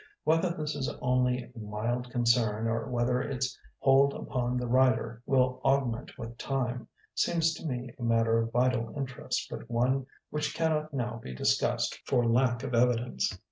Whether this is only a mild concern or whether its hold upon the writer will augment with time, seems to me a matter of vital interest but one which cannot now be discussed for lack of evidence.